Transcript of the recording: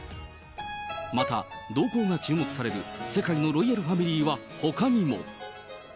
また、動向が注目される世界のロイヤルファミリーはほかにも。